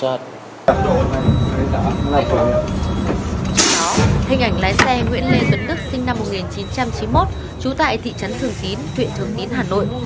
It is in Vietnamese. hình ảnh lái xe nguyễn lê tuấn đức sinh năm một nghìn chín trăm chín mươi một trú tại thị trấn thường tín huyện thường tín hà nội